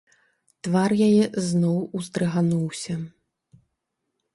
Твар яе зноў уздрыгануўся.